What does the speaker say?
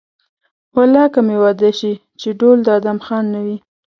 والله که مې واده شي چې ډول د ادم خان نه وي.